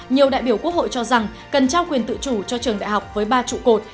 nhiều đại biểu quốc hội cho rằng cần trao quyền tự chủ cho trường đại học với ba trụ cột